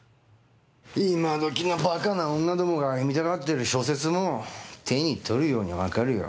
今どきのバカな女どもが読みたがってる小説も手に取るようにわかるよ。